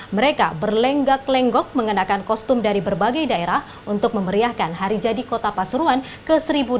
mereka berlenggak lenggok mengenakan kostum dari berbagai daerah untuk memeriahkan hari jadi kota pasuruan ke seribu delapan ratus dua